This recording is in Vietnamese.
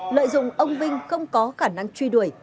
lợi dụng ông vinh không có khả năng truy đuổi